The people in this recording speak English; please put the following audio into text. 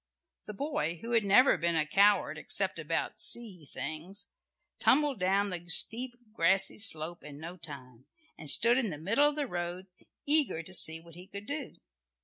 The boy who had never been a coward except about "sea things," tumbled down the steep grassy slope in no time, and stood in the middle of the road eager to see what he could do.